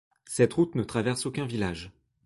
Cette route ne traverse aucun village.